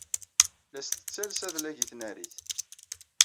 La as-tettales adlag i tnarit.